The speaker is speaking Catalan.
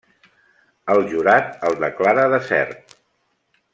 El jurat el declara Desert.